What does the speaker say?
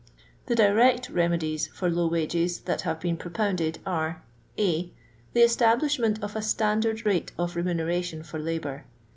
The direct remedies for low wages that have been propounded are :— A. The eitahlishment qf a ttandard raie of rt muneration for labour.